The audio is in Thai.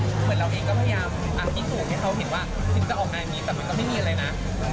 เหมือนเราเองก็พยายามพิสูจน์ให้เขาเห็นว่าซิมจะออกงานนี้แต่มันก็ไม่มีอะไรนะ